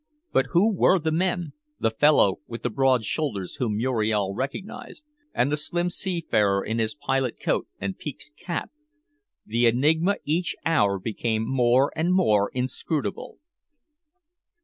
But who were the men the fellow with the broad shoulders whom Muriel recognized, and the slim seafarer in his pilot coat and peaked cap? The enigma each hour became more and more inscrutable.